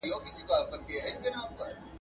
په هند کي د احمد شاه ابدالي لویه جګړه چیرته و سوه؟